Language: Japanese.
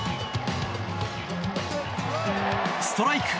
ストライク！